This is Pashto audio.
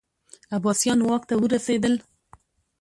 عباسیان واک ته ورسېدل